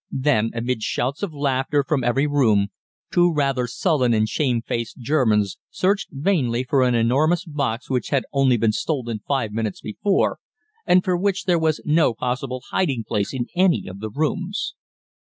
Then, amid shouts of laughter from every room, two rather sullen and shamefaced Germans searched vainly for an enormous box which had only been stolen five minutes before and for which there was no possible hiding place in any of the rooms.